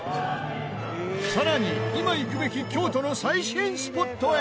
さらに今行くべき京都の最新スポットへ